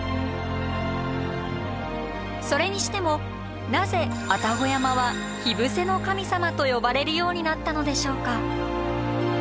それにしてもなぜ愛宕山は「火伏せの神様」と呼ばれるようになったのでしょうか？